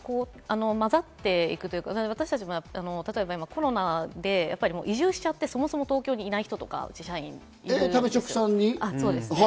混ざっていくというか、私たちもコロナで移住しちゃって、そもそも東京にいない人とか社員でいます。